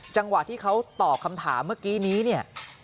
จังหวะที่เขาตอบคำถามเมื่อกี้นี้เนี่ย